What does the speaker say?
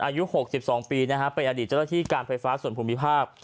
อายุ๖๒ปีนะฮะเป็นอดีตเจ้าหน้าที่การไฟฟ้าส่วนภูมิภาค